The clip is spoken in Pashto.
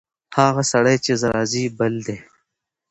هغه سړی چې راځي، بل دی.